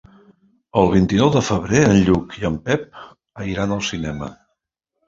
El vint-i-nou de febrer en Lluc i en Pep iran al cinema.